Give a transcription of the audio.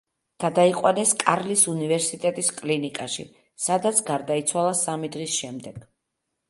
გადაიყვანეს კარლის უნივერსიტეტის კლინიკაში სადაც გარდაიცვალა სამი დღის შემდეგ.